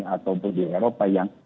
ataupun di eropa yang